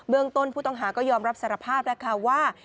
ต้นผู้ต้องหาก็ยอมรับสารภาพแล้วค่ะว่า